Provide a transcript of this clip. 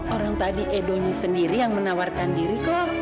orang tadi edonya sendiri yang menawarkan diri kok